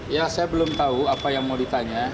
ya saya belum tahu apa yang mau ditanya